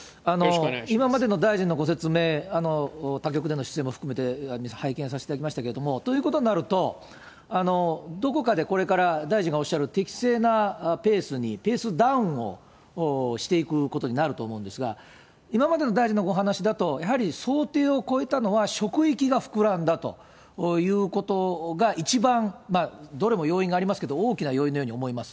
今までの大臣のご説明、他局への出演も含めて拝見させてもらいましたけれども、ということになると、どこかでこれから大臣がおっしゃる適正なペースに、ペースダウンをしていくことになると思うんですが、今までの大臣のお話だと、やはり想定を超えたのは、職域が膨らんだということが一番、どれも要因がありますけど、大きな要因のように思います。